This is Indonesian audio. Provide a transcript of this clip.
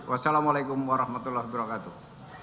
wassalamualaikum warahmatullahi wabarakatuh